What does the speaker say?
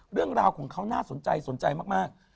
เรื่องราวของเขาน่าสนใจสนใจมาก